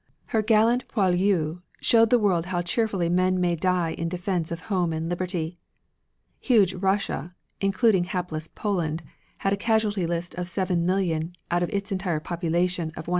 Her gallant poilus showed the world how cheerfully men may die in defense of home and liberty. Huge Russia, including hapless Poland, had a casualty list of 7,000,000 out of its entire population of 180,000,000.